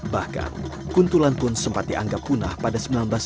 bahkan kuntulan pun sempat dianggap punah pada seribu sembilan ratus delapan puluh